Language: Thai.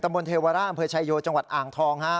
ตะบนเทวาร่าเผอร์ชัยโยจังหวัดอ่างทองฮะ